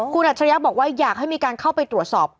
คุณอัจฉริยะบอกว่าอยากให้มีการเข้าไปตรวจสอบ